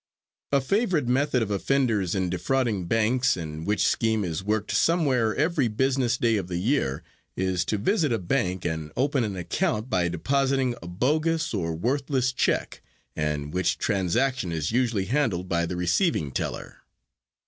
A favorite method of offenders in defrauding banks, and which scheme is worked somewhere every business day of the year, is to visit a bank and open an account by depositing a bogus or worthless check, and which transaction is usually handled by the receiving teller.